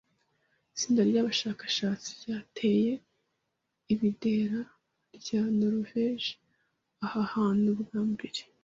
itsinda ry’abashakashatsi ryateye ibendera rya Noruveje aha hantu bwa mbere